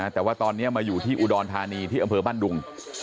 แต่ว่าตอนนี้มาอยู่ที่อุดรธานีที่อำเภอบ้านดุง